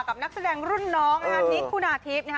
กับนักแสดงรุ่นน้องอาทิตย์คุณาทิพย์